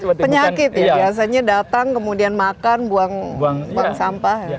penyakit ya biasanya datang kemudian makan buang buang sampah